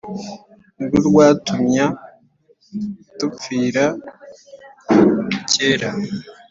Nirwo rwatumy’ adupfira kera.